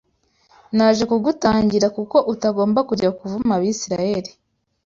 Naje kugutangira kuko utagomba kujya kuvuma Abisirayeli